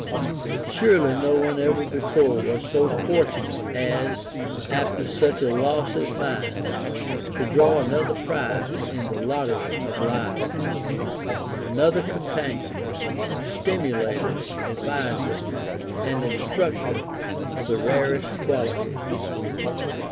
Surely no one ever before was so fortunate, as, after such a loss as mine, to draw another prize in the lottery of life [ another companion, stimulator, adviser, and instructor of the rarest quality].